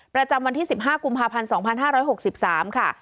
ประจำวันที่๑๕กุมภาพันธ์๒๕๖๓ค่ะ